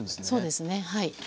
そうですねはい。